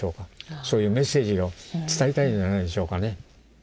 そういうメッセージを伝えたいんじゃないんでしょうかね。